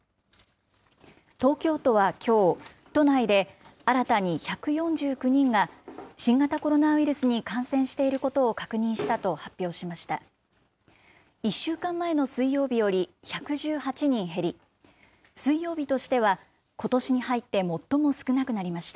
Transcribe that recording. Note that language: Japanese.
東京都はきょう、都内で新たに１４９人が新型コロナウイルスに感染していることを確認したと発表しました。